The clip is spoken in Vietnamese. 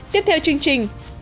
tiếp theo chương trình